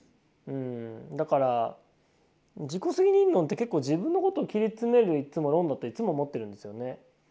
だから自己責任論って結構自分のことを切り詰める論だっていつも思ってるんですよね。